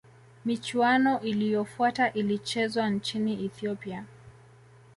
michuano iliyofuata ilichezwa nchini ethiopia